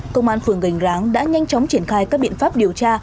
công an phường gành ráng đã nhanh chóng triển khai các biện pháp điều tra